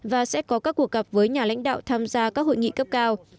và sẽ có các cuộc gặp với nhà lãnh đạo tham gia các hội nghị cấp cao